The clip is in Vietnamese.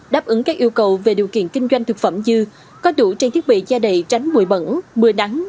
đáp ứng các yêu cầu về điều kiện kinh doanh thực phẩm dư có đủ trang thiết bị da đầy tránh mùi bẩn mưa đắng